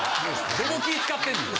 どこ気ぃ使ってんねん。